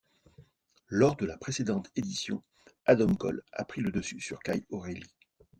Lors de la précédente édition, Adam Cole a pris le dessus sur Kyle O'Reilly.